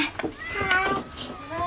はい。